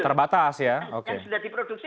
terbatas ya oke yang sudah diproduksi